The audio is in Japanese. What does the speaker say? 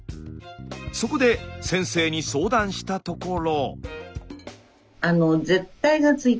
そこで先生に相談したところ。